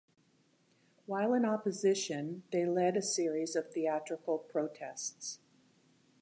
While in opposition they led a series of theatrical protests.